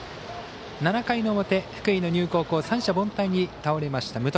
７回の表、福井の丹生高校三者凡退に倒れました。